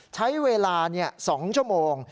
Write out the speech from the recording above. ใช้เวลา๒ชั่วโมง